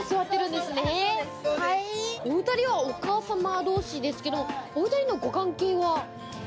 お２人はお母様同士ですけど、お２人のご関係は？